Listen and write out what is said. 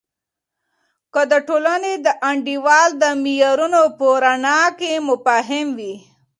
که د ټولنې د انډول د معیارونو په رڼا کې مفاهیم وي.